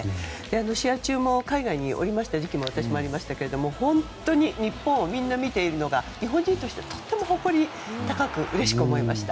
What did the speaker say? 試合中、海外にいた時期が私もありましたが本当に日本をみんな見ているのが日本人として、とても誇り高くうれしく思いました。